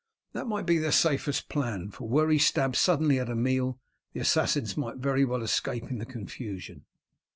That might be their safest plan, for were he stabbed suddenly at a meal the assassins might very well escape in the confusion."